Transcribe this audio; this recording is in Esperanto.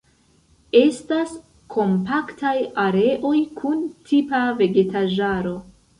Estas kompaktaj areoj kun tipa vegetaĵaro.